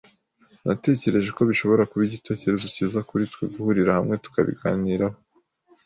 Natekereje ko bishobora kuba igitekerezo cyiza kuri twe guhurira hamwe tukabiganiraho.